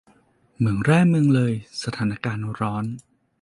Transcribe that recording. เหมืองแร่เมืองเลย สถานการณ์ร้อน !